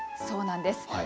そうなんです。